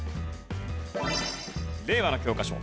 令和の教科書